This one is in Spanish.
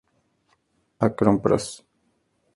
Akron Pros